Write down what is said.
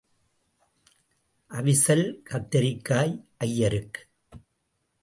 அவிசல் கத்தரிக்காய் ஐயருக்கு.